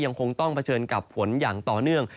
ยังคงต้องเผชิญกับฝนอย่างต่อเนื่อง